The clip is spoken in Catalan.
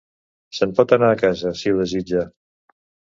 Se'n pot anar a casa, si ho desitja.